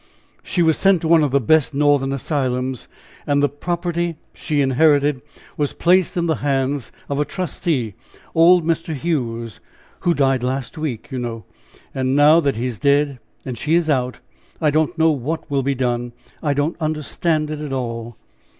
"She was sent to one of the best Northern asylums, and the property she inherited was placed in the hands of a trustee old Mr. Hughes, who died last week, you know; and now that he is dead and she is out, I don't know what will be done, I don't understand it at all."